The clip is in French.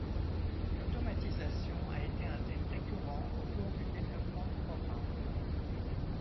L’automatisation a été un thème récurrent au cours du développement du programme.